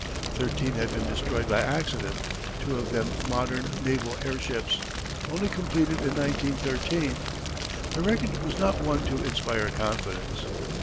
Thirteen had been destroyed by accident two of them modern naval airships only completed in 1913. The record was not one to inspire confidence.